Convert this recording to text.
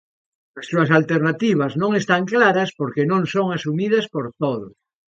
As súas alternativas non están claras porque non son asumidas por todos.